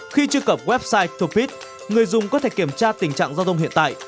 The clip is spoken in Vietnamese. khi truy cập website topee người dùng có thể kiểm tra tình trạng giao thông hiện tại